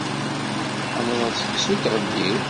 Tḥemmleḍ seksu s tɣeddiwt?